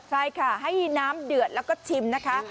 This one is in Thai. ใช่ค่ะให้น้ำเดือดแล้วก็ชิมนะคะ